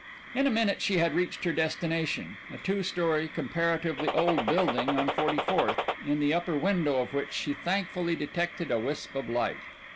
In a minute she had reached her destination, a two story, comparatively old building on Forty fourth, in the upper window of which she thankfully detected a wisp of light.